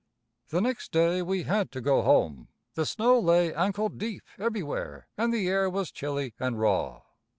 The next day we had to go home. The snow lay ankle deep everywhere and the air was chilly and raw.